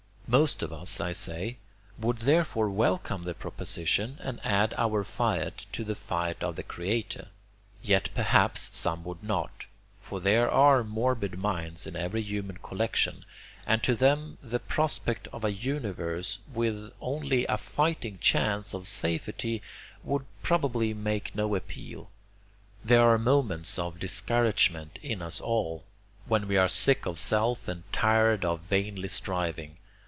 Most of us, I say, would therefore welcome the proposition and add our fiat to the fiat of the creator. Yet perhaps some would not; for there are morbid minds in every human collection, and to them the prospect of a universe with only a fighting chance of safety would probably make no appeal. There are moments of discouragement in us all, when we are sick of self and tired of vainly striving.